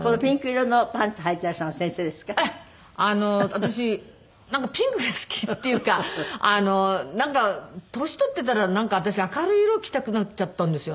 私なんかピンクが好きっていうか年取っていったら私明るい色を着たくなっちゃったんですよね。